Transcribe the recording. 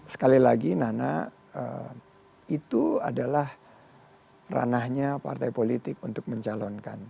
sekali lagi nana itu adalah ranahnya partai politik untuk mencalonkan